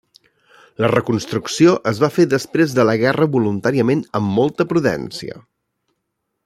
La reconstrucció es va fer després de la guerra voluntàriament amb molta prudència.